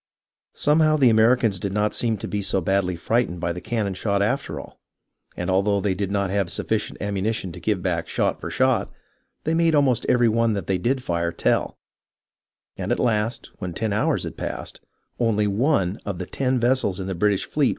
Somehow the Americans did not seem to be so badly frightened by the cannon shot after all, and although they did not have sufficient ammunition to give back shot for shot, they made almost every one that they did fire tell ; and at last, when ten hours had passed, only one of the ten vessels in the British fleet was fit L Of C.